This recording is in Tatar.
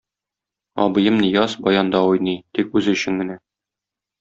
Абыем Нияз баянда уйный, тик үзе өчен генә.